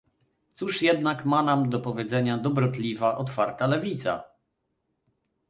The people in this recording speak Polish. Cóż jednak ma nam do powiedzenia dobrotliwa, otwarta lewica!